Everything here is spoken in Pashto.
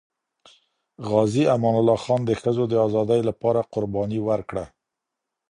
غازي امان الله خان د ښځو د ازادۍ لپاره قرباني ورکړه.